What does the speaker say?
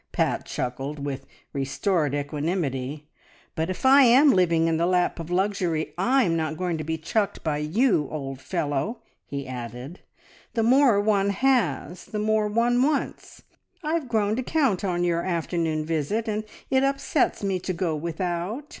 Pat chuckled, with restored equanimity. "But if I am living in the lap of luxury I'm not going to be chucked by you, old fellow," he added. "The more one has the more one wants. I've grown to count on your afternoon visit, and it upsets me to go without.